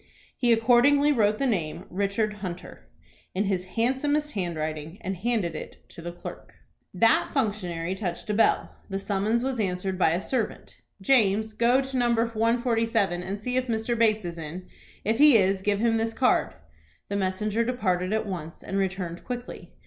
He accordingly wrote the name, Richard Hunter, in his handsomest handwriting, and handed it to the clerk. That functionary touched a bell. The summons was answered by a servant. "James, go to No. 147, and see if Mr. Bates is in. If he is, give him this card." The messenger departed at once, and returned quickly.